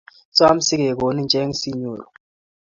Som si kegonin cheng' siinyoru